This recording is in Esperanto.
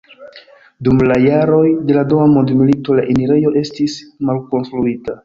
Dum la jaroj de la dua mondmilito la enirejo estis malkonstruita.